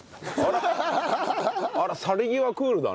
あら去り際クールだね。